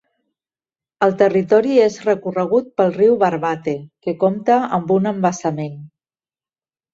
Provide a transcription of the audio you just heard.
El territori és recorregut pel riu Barbate, que compta amb un embassament.